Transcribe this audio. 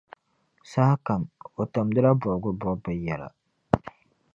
Saha kam, o tamdila bobigi bɔbbu yɛla.